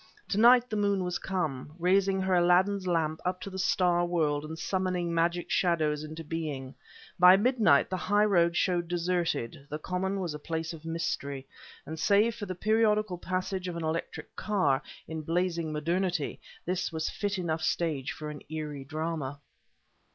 To night the moon was come, raising her Aladdin's lamp up to the star world and summoning magic shadows into being. By midnight the highroad showed deserted, the common was a place of mystery; and save for the periodical passage of an electric car, in blazing modernity, this was a fit enough stage for an eerie drama.